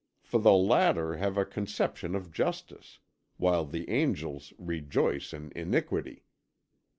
For the latter have a conception of justice, while the angels rejoice in iniquity.